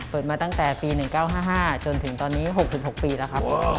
มาตั้งแต่ปี๑๙๕๕จนถึงตอนนี้๖๖ปีแล้วครับ